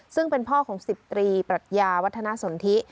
ซึ่งเป็นพ่อของ๑๐ตรีปรัชญาวัฒนาสนทิ